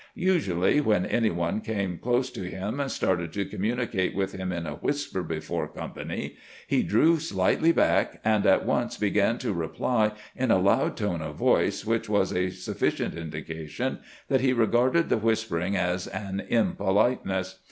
Usually when any one came close to him and started to communicate with him in a whisper before company, he drew slightly back, and at once began to reply in a loud tone of voice, which was a sufficient indication that he regarded the whisper ing as an impoliteness.